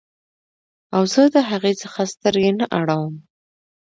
او زه د هغې څخه سترګې نه اړوم